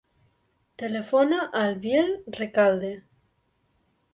Telefona al Biel Recalde.